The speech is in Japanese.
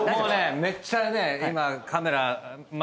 めっちゃね今カメラ回る前に。